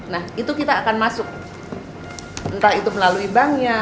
nah itu kita akan masuk entah itu melalui banknya